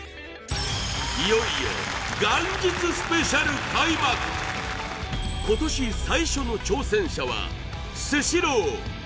いよいよ今年最初の挑戦者はスシロー